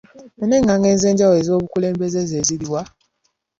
Ennenganga ez'enjawulo ez'obukulembeze ze ziriwa?